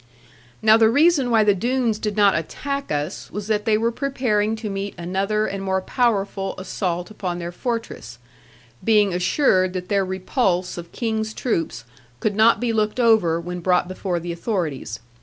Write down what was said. Now the reason why the Doones did not attack us was that they were preparing to meet another and more powerful assault upon their fortress; being assured that their repulse of King's troops could not be looked over when brought before the authorities.